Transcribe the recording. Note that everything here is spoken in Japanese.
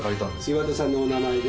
岩田さんのお名前で。